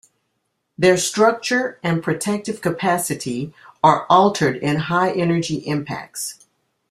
Their structure and protective capacity are altered in high-energy impacts.